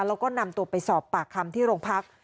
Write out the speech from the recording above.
แล้วก็นำตัวไปสอบปากคำที่โรงพัก